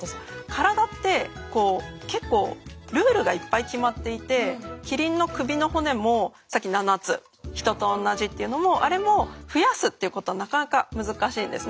体って結構ルールがいっぱい決まっていてキリンの首の骨もさっき７つヒトと同じっていうのもあれも増やすっていうことはなかなか難しいんですね。